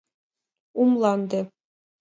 У МЛАНДЕ